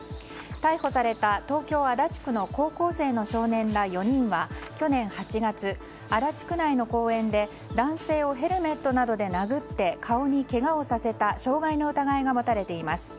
逮捕された東京・足立区の高校生の少年ら４人は去年８月、足立区内の公園で男性をヘルメットなどで殴って顔にけがをさせた傷害の疑いが持たれています。